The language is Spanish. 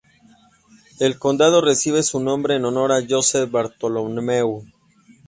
El condado recibe su nombre en honor a Joseph Bartholomew.